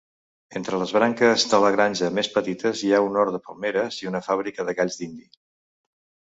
Entre les branques de la granja més petites hi ha un hort de palmeres i una fabrica de galls dindi.